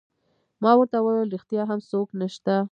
ما ورته وویل: ریښتیا هم څوک نشته؟